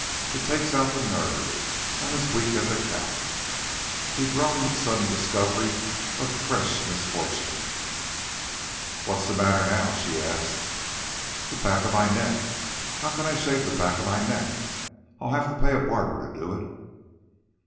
It takes out the nerve. I'm as weak as a cat." He groaned with sudden discovery of fresh misfortune. "What's the matter now?" she asked. "The back of my neck how can I shave the back of my neck? I'll have to pay a barber to do it."